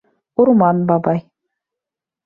УРМАН БАБАЙ